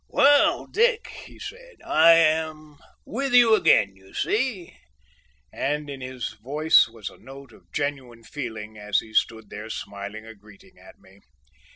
"Well, Dick," he said, "I am with you again you see!" and in his voice was a note of genuine feeling as he stood there smiling a greeting to me.